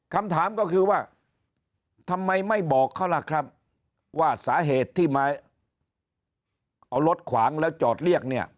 คำถามก็คือว่าทำไมไม่บอกเขาล่ะครับว่าสาเหตุที่มาเอารถขวางแล้วจอดเรียกเนี่ย